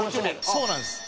そうなんです。